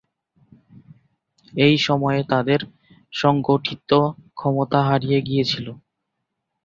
এই সময়ে তাদের সংগঠিত ক্ষমতা হারিয়ে গিয়েছিল।